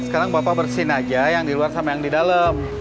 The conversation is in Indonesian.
sekarang bapak bersin aja yang di luar sama yang di dalam